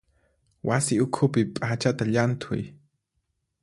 Wasi ukhupi p'achata llanthuy.